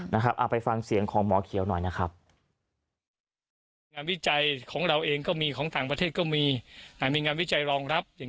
เอาไปฟังเสียงของหมอเขียวหน่อยนะครับ